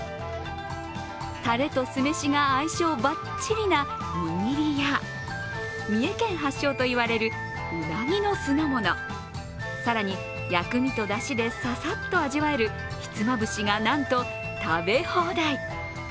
たれと酢飯が相性ばっちりな握りや、三重県発祥といわれるうなぎの酢物、更に薬味とだしで、ささっと味わえるひつまぶしが、なんと食べ放題。